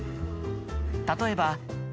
例えば。